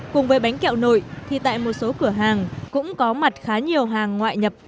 cùng với bánh kẹo nội thì tại một số cửa hàng cũng có mặt khá nhiều hàng ngoại nhập